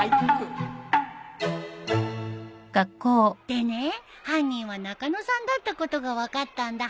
でね犯人は中野さんだったことが分かったんだ。